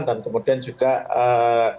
dan kemudian juga menyusul